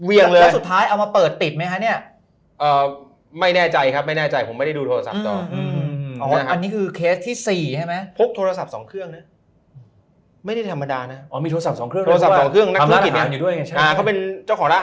เอาเท้าขี้บปลาโทรศัพท์ถึง